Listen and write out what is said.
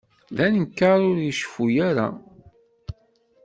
D anekkar ur iceffu ara.